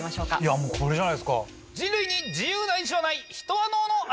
もうこれじゃないですか。